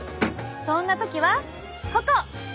そんな時はここ。